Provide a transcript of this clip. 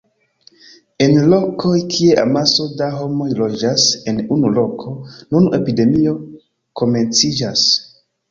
En lokoj kie amaso da homoj loĝas en unu loko, nun epidemio komenciĝas.